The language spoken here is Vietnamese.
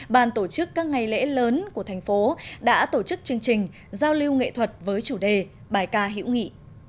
bàn tổ chức các ngày lễ lớn của thành phố đã tổ chức chương trình giao lưu nghệ thuật với chủ đề bài ca hiễu nghị